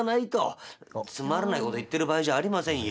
「つまらないこと言ってる場合じゃありませんよ。